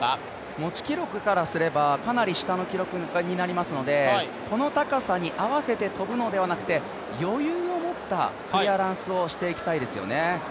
持ち記録からすればかなり下の記録になりますのでこの高さに合わせて跳ぶのではなくて、余裕を持ったクリアランスをしていきたいですね。